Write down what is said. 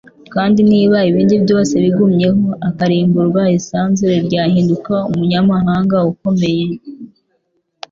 kandi niba ibindi byose bigumyeho, akarimburwa, isanzure ryahinduka umunyamahanga ukomeye. ”